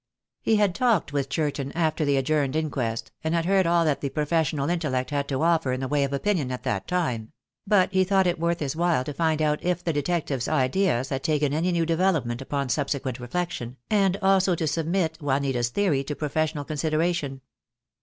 He had talked with Churton after the adjourned in quest, and had heard all that the professional intellect had to offer in the way of opinion at that time; but he thought it worth his while to find out if the detective's ideas had taken any new development upon subsequent reflection, and also to submit Juanita's theory to profes sional consideration.